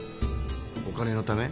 お金のため？